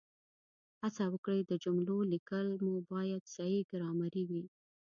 هڅه وکړئ د جملو لیکل مو باید صحیح ګرامري وي